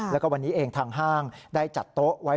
แล้วก็วันนี้เองทางห้างได้จัดโต๊ะไว้